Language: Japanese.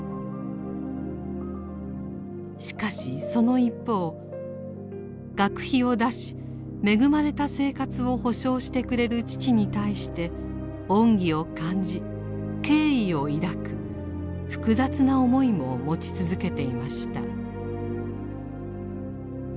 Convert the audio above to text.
しかしその一方学費を出し恵まれた生活を保障してくれる父に対して恩義を感じ敬意を抱く複雑な思いも持ち続けていました。